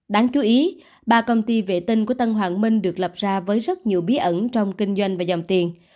đáng chú ý ba công ty vệ tinh của tân hoàng minh được lập ra với rất nhiều bí ẩn trong kinh doanh và dòng tiền